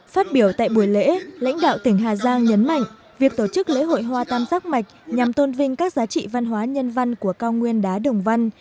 phát biểu tại buổi lễ lãnh đạo tỉnh hà giang nhấn mạnh việc tổ chức lễ hội hoa tam giác mạch nhằm tôn vinh các giá trị văn hóa nhân văn của cao nguyên đá đồng văn